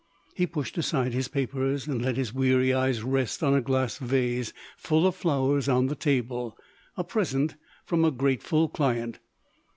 He pushed aside his papers, and let his weary eyes rest on a glass vase full of flowers on the table a present from a grateful client.